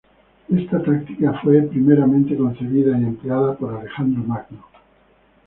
Esta táctica fue primeramente concebida y empleada por Alejandro Magno.